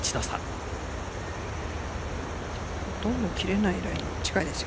ほとんど切れないラインに近いです。